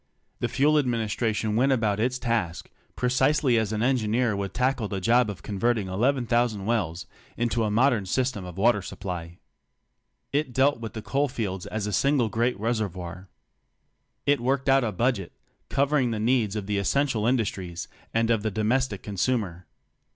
The Fuel Administration went about its task precisely as an engineer would tackle the job of converting 11,000 wells into a modern system of water supply. It dealt with the 2 Bruere, The Coming of Coal. coal fields as a single great reservoir. It worked out a budget covering the needs of the essential industries and of the domestic consumer.